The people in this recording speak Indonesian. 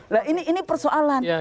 nah ini persoalan